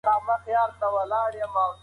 که باران وشي نو د سړک دوړې به کښېني.